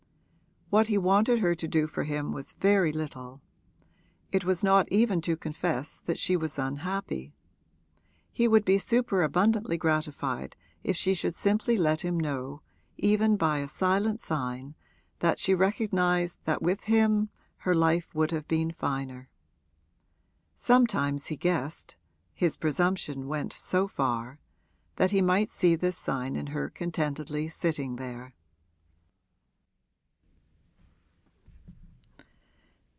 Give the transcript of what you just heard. What he wanted her to do for him was very little; it was not even to confess that she was unhappy. He would be superabundantly gratified if she should simply let him know, even by a silent sign, that she recognised that with him her life would have been finer. Sometimes he guessed his presumption went so far that he might see this sign in her contentedly sitting there.